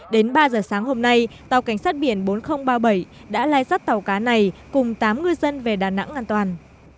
đến ba giờ sáng hôm nay tàu cảnh sát biển bốn nghìn ba mươi bảy đã lai dắt tàu cá này cùng tám ngư dân về đà nẵng an toàn